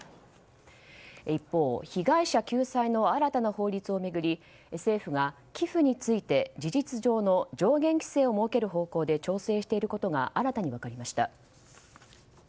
一方、被害者救済の新たな法律を巡り政府が寄付について事実上の上限規制を設ける方向で調整していることが新たに分かりました。